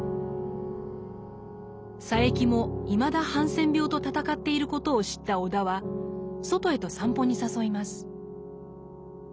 佐柄木もいまだハンセン病と闘っていることを知った尾田は外へと散歩に誘います。